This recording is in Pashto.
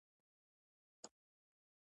طلا د افغانستان د اقتصادي ودې لپاره ارزښت لري.